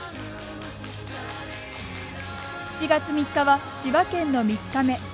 ７月３日は、千葉県の３日目。